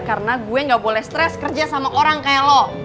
karena gue gak boleh stress kerja sama orang kayak lo